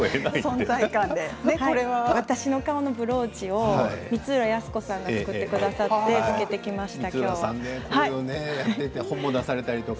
私の顔のブローチを光浦靖子さんが作ってくださって着けてきました。